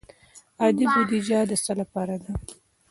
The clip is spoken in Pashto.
عادي بودجه د څه لپاره ده؟